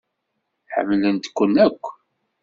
Ḥemmlent-kent akk.